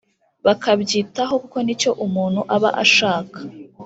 bakabyitaho kuko ni cyo umuntu aba ashaka